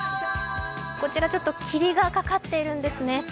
こちら霧がかかっているんですね